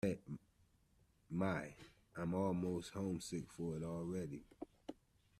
My, I'm almost homesick for it already.